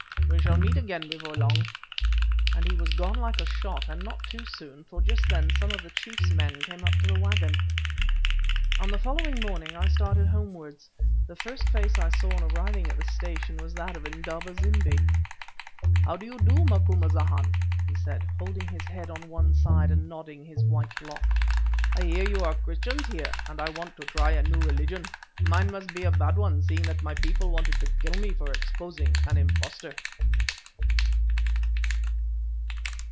We shall meet again before long," and he was gone like a shot, and not too soon, for just then some of the chief's men came up to the waggon. On the following morning I started homewards. The first face I saw on arriving at the station was that of Indaba zimbi. "How do you do, Macumazahn?" he said, holding his head on one side and nodding his white lock. "I hear you are Christians here, and I want to try a new religion. Mine must be a bad one seeing that my people wanted to kill me for exposing an impostor."